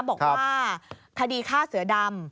บอกว่าคดีฆ่าเสือดำ